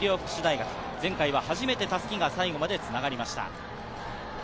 新潟医療福祉大学、前回は初めて襷が最後まで繋がりました。